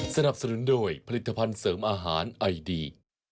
สนับสนุนโดยผลิตภัณฑ์เสริมอาหารไอดี